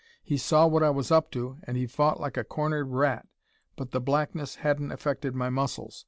He saw what I was up to and he fought like a cornered rat, but the blackness hadn't affected my muscles.